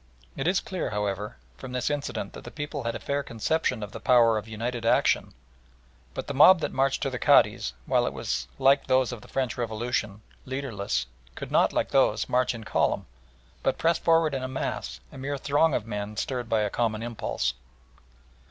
It is clear, however, from this incident that the people had a fair conception of the power of united action, but the mob that marched to the Cadi's, while it was like those of the French Revolution, leaderless, could not like those march in column, but pressed forward in a mass, a mere throng of men stirred by a common impulse.